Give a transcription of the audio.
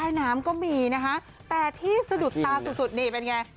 สระสระวิน้ำก็มีแต่ที่สะดุดนี่เป็นไง